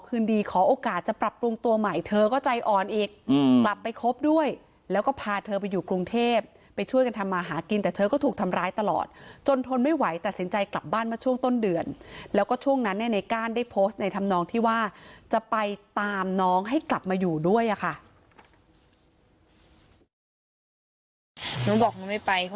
เอกกลับไปครบด้วยแล้วก็พาเธอมาอยู่กรุงเทพฯไปช่วยกันทำมาหากินแต่เธอก็ถูกทำร้ายตลอดจนทนไม่ไหวแต่สินใจกลับบ้านมาช่วงต้นเดือนแล้วก็ช่วงนั้นในการได้โพสต์ในทำนองที่ว่าจะไปตามน้องให้กลับมาอยู่ด้วยอ่ะค่ะ